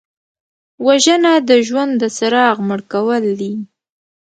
وژنه د ژوند د څراغ مړ کول دي